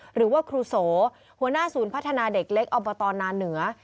หรือว่าครูโสหัวหน้าศูนย์พัฒนาเด็กเล็กอบตนาเหนือ